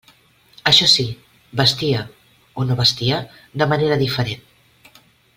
Això sí, vestia —o no vestia?— de manera diferent.